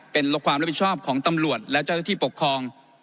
เป็นความรับผิดชอบของตำรวจและเจ้าหน้าที่ปกครอง